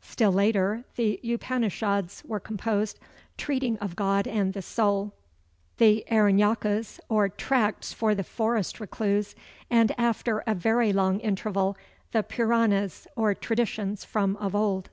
Still later the Upanishads were composed, treating of God and the soul; the Aranyakas, or "Tracts for the forest recluse;" and, after a very long interval, the Puranas, or "Traditions from of old."